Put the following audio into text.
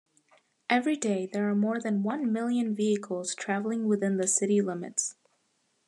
Every day, there are more than one million vehicles travelling within the city limits.